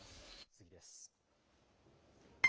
次です。